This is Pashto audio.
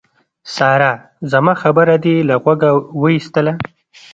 سارا! زما خبره دې له غوږه واېستله.